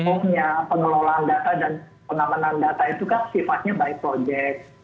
pokoknya pengelolaan data dan pengamanan data itu kan sifatnya by project